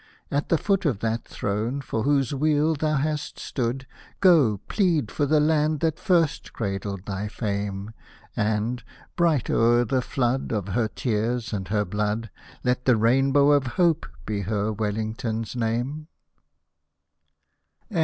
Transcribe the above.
At the foot of that throne for whose weal thou hast stood, Go, plead for the land that first cradled thy fame, And, bright o'er the flood Of her tears and her blood, Let the rainbow of Hope be her Wellington's^ name !